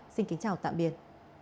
xin kính chào tạm biệt